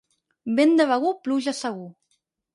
Vent de Begur pluja segur.